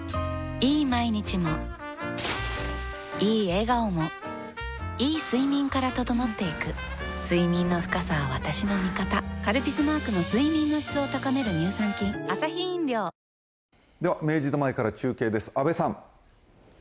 いい毎日もいい笑顔もいい睡眠から整っていく睡眠の深さは私の味方「カルピス」マークの睡眠の質を高める乳酸菌下の子も ＫＵＭＯＮ を始めた